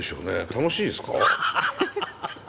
楽しいですか？